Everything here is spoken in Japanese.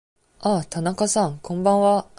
ああ、田中さん、こんばんは。